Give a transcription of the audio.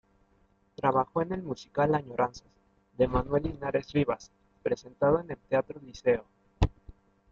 Trabajó en el musical "Añoranzas", de Manuel Linares Rivas, presentado en el teatro Liceo.